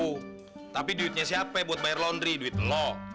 gimana punya siapa buat bayar londre duit lo